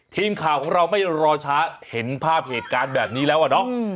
ทีมข่าวของเราไม่รอช้าเห็นภาพเหตุการณ์แบบนี้แล้วอะเนาะ